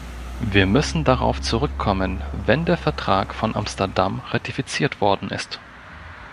Wir müssen darauf zurückkommen, wenn der Vertrag von Amsterdam ratifiziert worden ist.